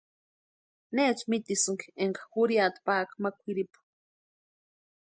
¿Necha mitisïnki énka jurhiata paaka ma kwʼiripu?